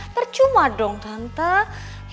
percuma dong tante